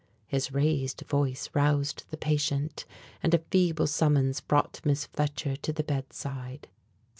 His raised voice roused the patient, and a feeble summons brought Miss Fletcher to the bedside.